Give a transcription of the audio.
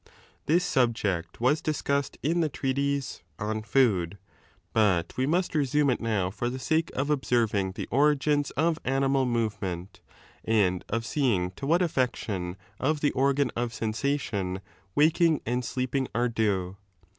This subject was discussed in the treatise On Food} But we must resume it now for the sake of observing the origins of animal movement and of seeing to what aifection of the 5 organ of sensation waking and sleeping are due.